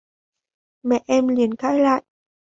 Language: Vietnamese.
Mẹ em liền cãi lại